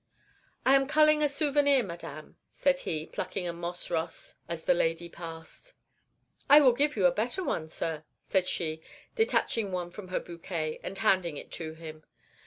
"I am culling a souvenir, madame," said he, plucking a moss ross as the lady passed. "I will give you a better one, sir," said she, detaching one from her bouquet, and handing it to him.